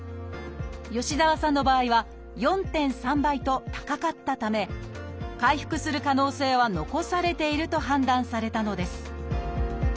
吉澤さんの場合は４．３倍と高かったため回復する可能性は残されていると判断されたのです